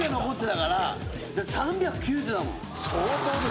３９０だもん。